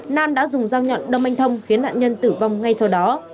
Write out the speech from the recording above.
nam đã dùng dao nhọn đâm anh thông khiến nạn nhân tử vong ngay sau đó